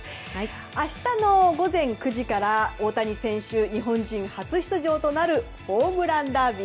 明日の午前９時から大谷選手日本人初出場となるホームランダービー。